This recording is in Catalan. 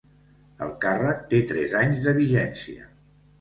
El càrrec té tres anys de vigència.